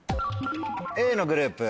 Ａのグループ。